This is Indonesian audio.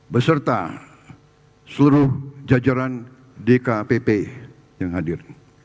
beserta seluruh jajaran dkpp yang hadir